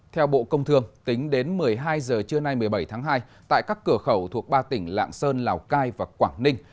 theo bộ công thương tính đến một mươi hai giờ trưa nay một mươi bảy tháng hai tại các cửa khẩu thuộc ba tỉnh lạng sơn lào cai và quảng ninh